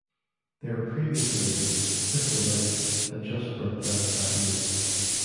Their previous arena, Thistle Rink, had just burnt down that year.